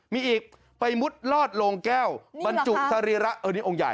มีอีกไปมุดลอดโลงแก้วบรรจุสรีระเออนี่องค์ใหญ่